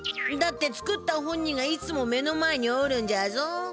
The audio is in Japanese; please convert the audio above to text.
だって作った本人がいつも目の前におるんじゃぞ。